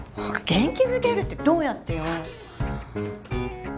元気づけるってどうやってよ。